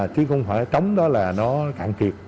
chứ không phải trống đó là nó cạn kiệt